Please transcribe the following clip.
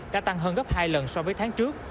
đã tăng hơn gấp hai lần so với tháng trước